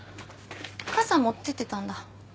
傘持ってってたんだ？